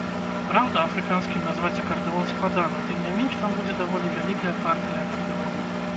Праўда, афрыканскім назваць акардэон складана, тым не менш там будзе даволі вялікая партыя акардэону.